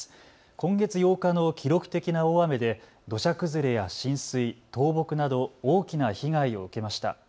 今月８日の記録的な大雨で土砂崩れや浸水、倒木など大きな被害を受けました。